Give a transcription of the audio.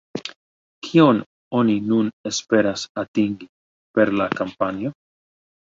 Kion oni nun esperas atingi per la kampanjo?